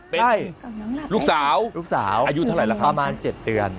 ใช่ลูกสาวอายุเท่าไหร่ละครับประมาณ๗เดือน